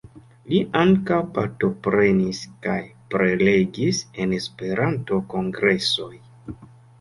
Li ankaŭ partoprenis kaj prelegis en Esperanto-kongresoj.